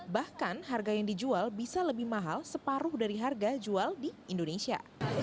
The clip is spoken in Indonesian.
bahkan harga yang dijual bisa lebih mahal separuh dari harga jual di indonesia